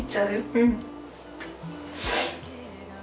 うん。